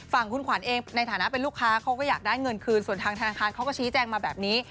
ฝั่งคุณขวัญเองในฐานะเป็นลูกค้าเขาก็อยากได้เงินคืนส่วนทางธนาคารเขาก็ชี้แจงมาแบบนี้